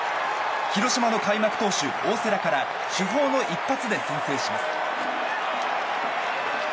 広島の開幕投手・大瀬良から主砲の一発で先制します。